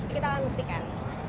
kita akan buktikan